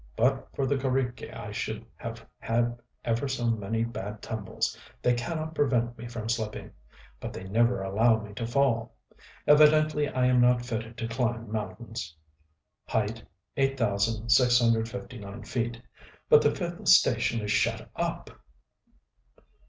But for the g┼Źriki I should have had ever so many bad tumbles: they cannot prevent me from slipping; but they never allow me to fall. Evidently I am not fitted to climb mountains.... Height, 8,659 feet but the fifth station is shut up!